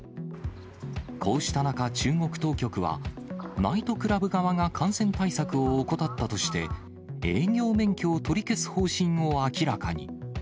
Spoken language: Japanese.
こうした中、中国当局は、ナイトクラブ側が感染対策を怠ったとして、営業免許を取り消す方針を明らかに。